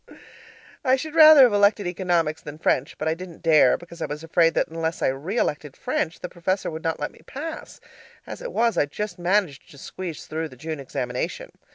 I should rather have elected economics than French, but I didn't dare, because I was afraid that unless I re elected French, the Professor would not let me pass as it was, I just managed to squeeze through the June examination.